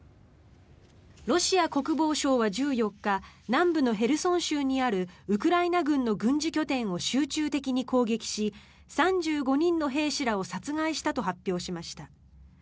ロシア国防省は１４日南部のヘルソン州にあるウクライナ軍の軍事拠点を集中的に攻撃し３５人の兵士らを殺害したと発表しました。